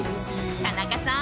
田中さん